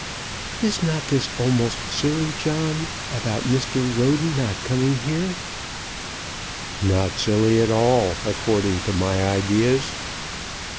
"Is not this almost silly, John, about Mr. Roden not coming here?" "Not silly at all, according to my ideas."